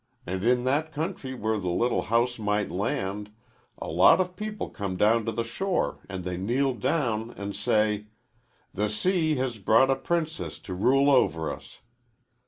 And in that country where the little house might land, a lot of people come down to the shore and they kneel down and say, 'The sea has brought a princess to rule over us.'